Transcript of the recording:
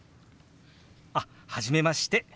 あっ初めまして。